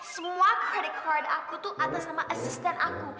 semua credit karde aku tuh atas nama asisten aku